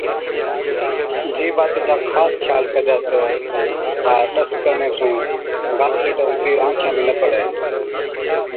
جي باتي چا خاص خيال ڪجا تہ ها ڏس ڪرڻي سُون گاسليٽ ائُون تيل آنکِيان ۾ نہ پڙَي۔